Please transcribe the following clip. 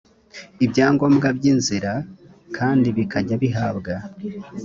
ibyangombwa by inzira kandi bikajya bihabwa